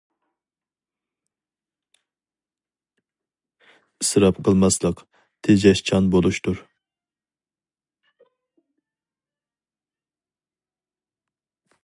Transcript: ئىسراپ قىلماسلىق تېجەشچان بولۇشتۇر.